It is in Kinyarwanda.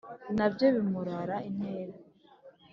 na byo bimurara inkera